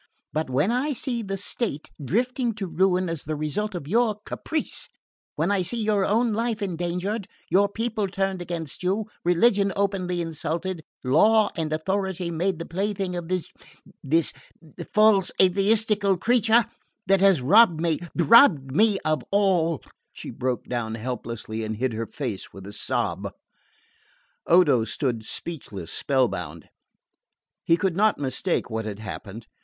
"But when I see the state drifting to ruin as the result of your caprice, when I see your own life endangered, your people turned against you, religion openly insulted, law and authority made the plaything of this this false atheistical creature, that has robbed me robbed me of all " She broke off helplessly and hid her face with a sob. Odo stood speechless, spell bound. He could not mistake what had happened.